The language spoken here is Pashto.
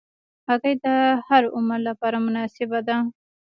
هګۍ د هر عمر لپاره مناسبه ده.